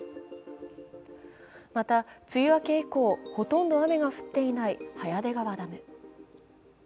また梅雨明け以降、ほとんど雨が降っていない早出川ダム。